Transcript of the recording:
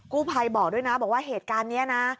ภัยบอกด้วยนะบอกว่าเหตุการณ์นี้นะ